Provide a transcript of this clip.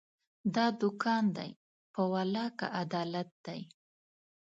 دا دوکان دی، په والله که عدالت دی